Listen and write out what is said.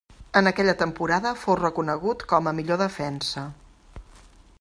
En aquella temporada fou reconegut com a millor defensa.